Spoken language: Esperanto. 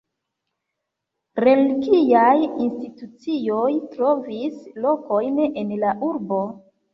Religiaj institucioj trovis lokojn en la urbo.